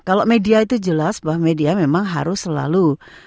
kalau media itu jelas bahwa media memang harus selalu